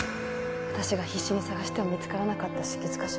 私が必死に探しても見つからなかった出血箇所